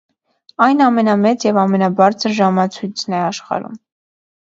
Այն ամենամեծ և ամենաբարձր ժամացույցն է աշխարհում։